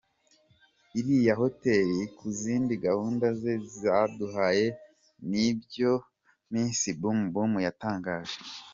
iriya Hotel ku zindi gahunda ze, zidahuye nibyo Miss Bum Bum yatangaje.